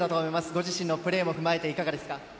ご自身のプレーも踏まえていかがですか。